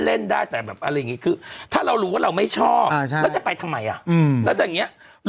ใช่ถ้าเกิดเรากลัวแล้วก็รู้จะไปทำไม